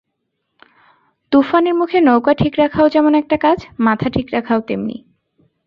তুফানের মুখে নৌকো ঠিক রাখাও যেমন একটা কাজ, মাথা ঠিক রাখাও তেমনি।